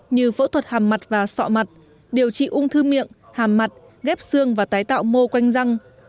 như phẫu thuật hàm mặt và sọ mặt điều trị ung thư miệng hàm mặt ghép xương và tái tạo mô quanh răng